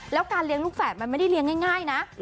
แล้วการเลี้ยงลูกแฝดมันไม่ได้เลี้ยงง่ายนะ